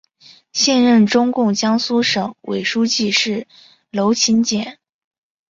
现任中共江苏省委书记是娄勤俭。